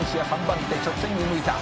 ３番手直線に向いた」